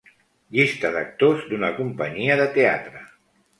Llista d'actors d'una companyia de teatre.